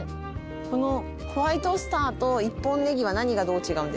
このホワイトスターと一本ねぎは何がどう違うんですか？